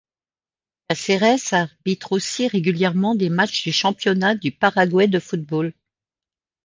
Cáceres arbitre aussi régulièrement des matchs du Championnat du Paraguay de football.